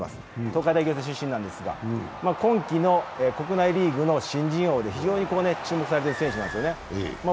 東海大仰星出身なんですが、今季の国内リーグの新人王で非常に注目されている選手なんですよね。